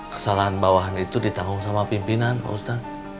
kesalahan bawahan itu ditanggung sama pimpinan pak ustadz